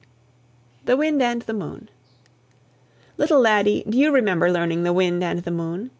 THE WIND AND THE MOON. Little Laddie, do you remember learning "The Wind and the Moon"?